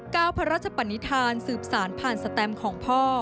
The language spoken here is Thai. ก้าวพระราชปัณฑิธานสืบสานผ่านสแตมของพ่อ